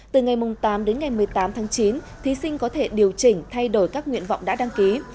từ ngày tám đến ngày một mươi tám tháng chín thí sinh có thể điều chỉnh thay đổi các nguyện vọng đã đăng ký